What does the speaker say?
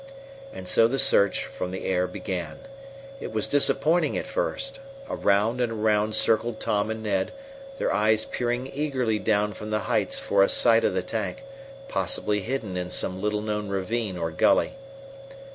And so the search from the air began. It was disappointing at first. Around and around circled Tom and Ned, their eyes peering eagerly down from the heights for a sight of the tank, possibly hidden in some little known ravine or gully.